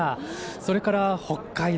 それから北海道